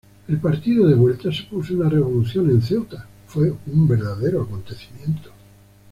El partido de vuelta supuso una revolución en Ceuta, fue un verdadero acontecimiento.